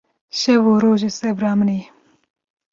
Şev û rojê sebra min î